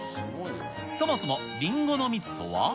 そもそもりんごの蜜とは。